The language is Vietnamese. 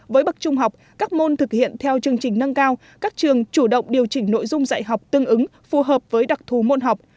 với bậc trung học các môn thực hiện theo chương trình nâng cao các trường chủ động điều chỉnh nội dung dạy học tương ứng phù hợp với đặc thù môn học